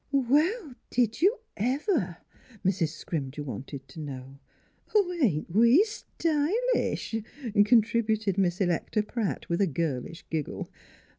" Well ! did you ever? " Mrs. Scrimger wanted to know. " Ain't we stylish !" contributed Miss Electa Pratt, with a girlish giggle.